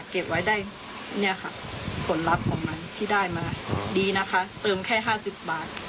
เก็บไว้ได้เนี่ยค่ะผลลัพธ์ของมันที่ได้มาดีนะคะเติมแค่๕๐บาท